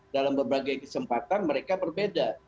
dalam beberapa kesempatan mereka berbeda